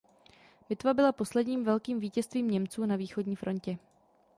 Bitva byla posledním velkým vítězstvím Němců na východní frontě.